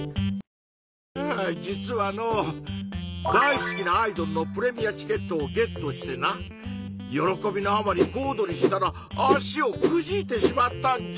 はぁ実はのう大好きなアイドルのプレミアチケットをゲットしてな喜びのあまりこおどりしたら足をくじいてしまったんじゃ！